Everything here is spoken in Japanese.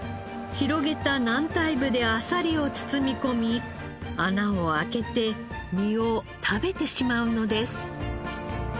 広げた軟体部であさりを包み込み穴を開けて身を食べてしまうのです。